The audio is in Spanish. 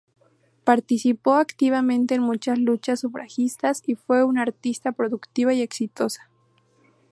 Participó activamente en muchas luchas sufragistas y fue una artista productiva y exitosa.